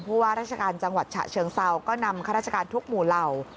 ว่าราชการจังหวัดฉะเชิงเซาก็นำข้าราชการทุกหมู่เหล่า